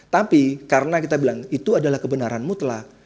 tapi karena kita bilang itu adalah kebenaran mutlak